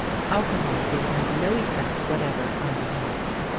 Alcohol seemed to have no effect whatever on him.